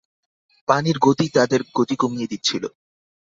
পানির গতি তাদের গতি কমিয়ে দিচ্ছিল।